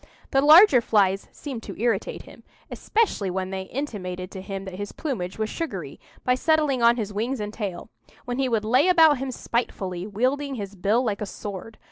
The larger flies seemed to irritate him, especially when they intimated to him that his plumage was sugary, by settling on his wings and tail; when he would lay about him spitefully, wielding his bill like a sword.